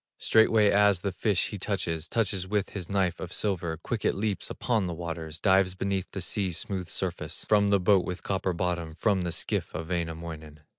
Straightway as the fish he touches, Touches with his knife of silver, Quick it leaps upon the waters, Dives beneath the sea's smooth surface, From the boat with copper bottom, From the skiff of Wainamoinen.